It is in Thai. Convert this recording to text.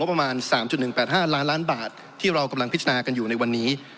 ประมาณ๓๑๘๕ล้านล้านบาทที่เรากำลังพิจารณากันอยู่ในวันนี้